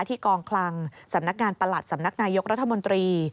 ที่กองคลังสำนักงานประหลัดสำนักนายกรัฐมนตรี